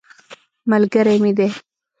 ملګری مې دی.